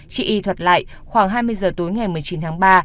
chị y thuật lại khoảng hai mươi giờ tối ngày một mươi chín tháng ba